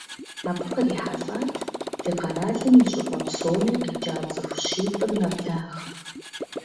Абы кърихьэлӏат ди къэралым и щӏыпӏэ псоми къикӏа цӏыху щитӏым нэблагъэ.